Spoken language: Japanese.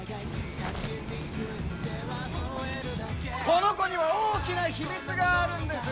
この子には大きな秘密があるんです！